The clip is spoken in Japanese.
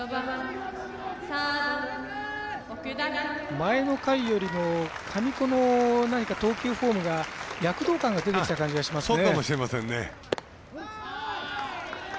前の回よりも神子の投球フォームが躍動感が出てきた感じがしますね。